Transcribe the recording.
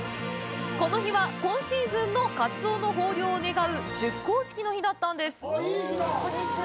この日は、今シーズンのカツオの豊漁を願う出航式の日だったんです！